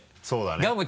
そうだね。